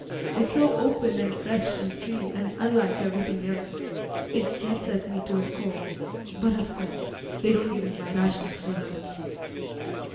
It's so open and fresh and free, and unlike everything else; it gets at me to the core; but, of course, they don't give me my rations for that."